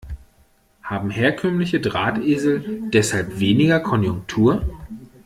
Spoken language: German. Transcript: Haben herkömmliche Drahtesel deshalb weniger Konjunktur?